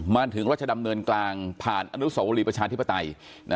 มาถึงรัชดำเนินกลางผ่านอนุสวรีประชาธิปไตย